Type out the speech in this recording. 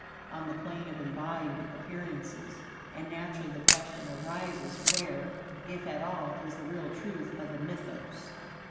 on the plane of embodied appearances, and naturally the question arises, where (if at all) is the real truth of the mythos?